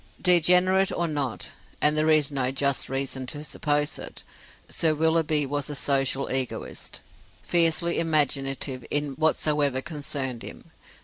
Degenerate or not (and there is no just reason to suppose it) Sir Willoughby was a social Egoist, fiercely imaginative in whatsoever concerned him.